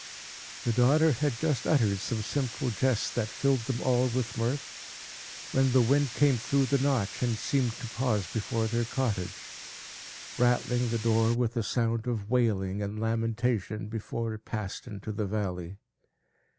The daughter had just uttered some simple jest, that filled them all with mirth, when the wind came through the Notch and seemed to pause before their cottage, rattling the door, with a sound of wailing and lamentation, before it passed into the valley.